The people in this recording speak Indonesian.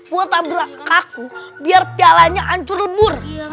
buat tabrak kaku biar pialanya hancur lebur